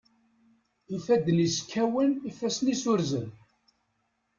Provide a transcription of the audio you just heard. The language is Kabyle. Ifadden-is kkawen, ifassen-is urzen.